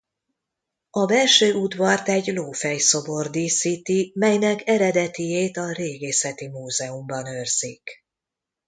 A belső udvart egy lófej-szobor díszíti melynek eredetijét a Régészeti Múzeumban őrzik.